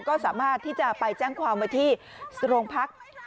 ก็สามารถที่จะไปแจ้งความไว้ที่โรงพัก